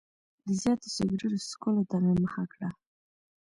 د زیاتو سګرټو څکولو ته مې مخه کړه.